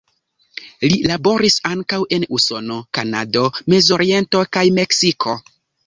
Li laboris ankaŭ en Usono, Kanado, Mezoriento kaj Meksiko.